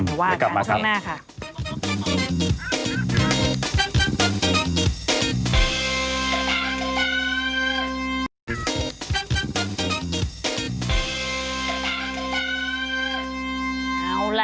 อืมหันธวาดการช่วงหน้าค่ะแล้วกลับมาครับ